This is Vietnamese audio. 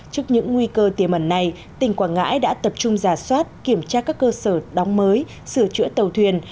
trước những nguy cơ tiềm ẩn này tỉnh quảng ngãi đã tập trung giả soát kiểm tra các cơ sở đóng mới sửa chữa tàu thuyền